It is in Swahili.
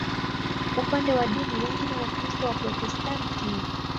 Upande wa dini, wengi ni Wakristo Waprotestanti.